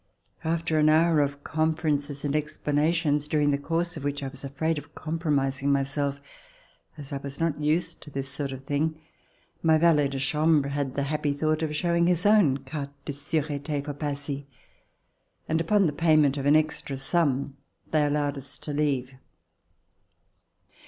After an hour of conferences and explanations, during the course of which I was afraid of compromising myself, as I was not used to this sort of thing, my valet de chambre had the happy thought of showing his own carte de surete for Passy, and, upon the payment of an extra sum, they allowed us to leave.